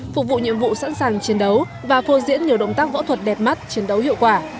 phục vụ nhiệm vụ sẵn sàng chiến đấu và phô diễn nhiều động tác võ thuật đẹp mắt chiến đấu hiệu quả